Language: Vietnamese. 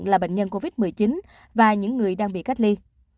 là bệnh nhân covid một mươi chín và những người đang bị cách ly